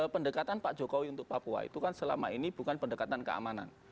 pendekatan pak jokowi untuk papua itu kan selama ini bukan pendekatan keamanan